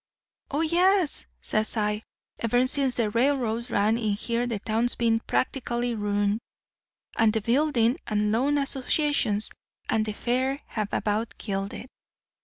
"'Oh, yes,' says I; 'ever since the railroads ran in here the town's been practically ruined. And the building and loan associations and the fair have about killed it.